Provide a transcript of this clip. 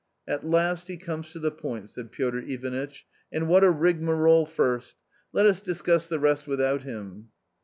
"At last he comes to the point," said Piotr Ivanitch, "and what a rigmarole first! Let us discuss the rest without him."